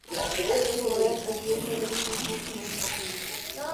Su primera actuación en televisión fue en Momposina.